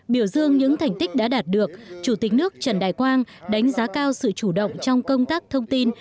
biểu dương những thành tích đã đạt được chủ tịch nước trần đại quang đánh giá cao sự chủ động trong công tác thông tin